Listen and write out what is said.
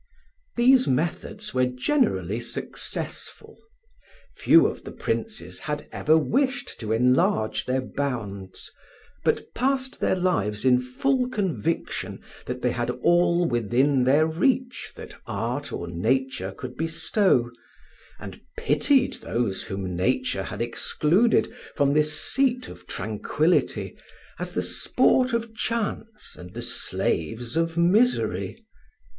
These methods were generally successful; few of the princes had ever wished to enlarge their bounds, but passed their lives in full conviction that they had all within their reach that art or nature could bestow, and pitied those whom nature had excluded from this seat of tranquillity as the sport of chance and the slaves of misery.